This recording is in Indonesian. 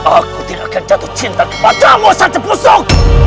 aku tidak akan jatuh cinta kepadamu saja pusuk